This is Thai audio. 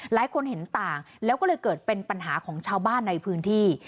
หลายคนเห็นต่างแล้วก็เลยเกิดเป็นปัญหาของชาวบ้านในพื้นที่